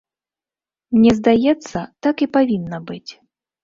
Мне здаецца, так і павінна быць.